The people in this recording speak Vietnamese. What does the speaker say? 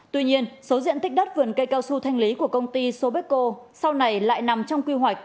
tuy nhiên số diện tích đất vườn cây cao su thanh lý của công ty sobeco sau này lại nằm trong quy hoạch